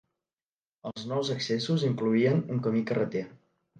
Els nous accessos incloïen un camí carreter.